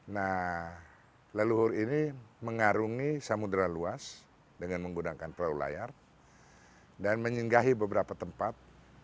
nah leluhur ini mengarungi samudera luas dengan menggunakan perahu layar dan menyinggahi beberapa tempat